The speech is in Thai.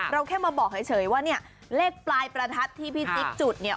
แค่มาบอกเฉยว่าเนี่ยเลขปลายประทัดที่พี่จิ๊กจุดเนี่ย